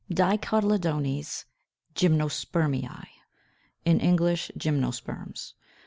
DICOTYLEDONES GYMNOSPERMEÆ, in English GYMNOSPERMS.